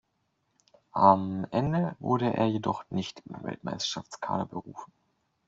Am Ende wurde er jedoch nicht in den Weltmeisterschafts-Kader berufen.